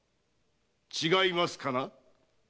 違いますかな？